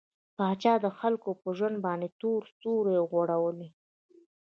پاچا د خلکو په ژوند باندې تور سيورى غوړولى.